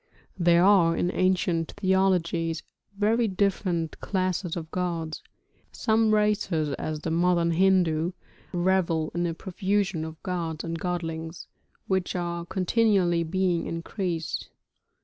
There are in ancient theologies very different classes of gods. Some races, as the modern Hindu, revel in a profusion of gods and godlings, which are continually being increased.